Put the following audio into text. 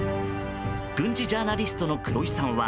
軍事ジャーナリストの黒井さんは